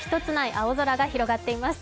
青空が広がっています。